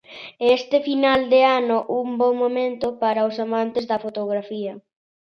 É este final de ano un bo momento para os amantes da fotografía.